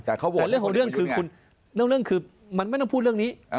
แต่เรื่องของเรื่องคือมันไม่ต้องพูดเรื่องนี้